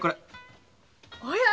おや？